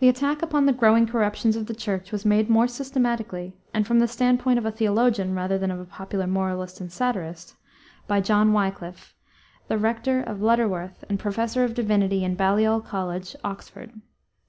The attack upon the growing corruptions of the Church was made more systematically, and from the stand point of a theologian rather than of a popular moralist and satirist, by John Wyclif, the rector of Lutterworth and professor of Divinity in Baliol College, Oxford.